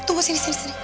tunggu sini sini sini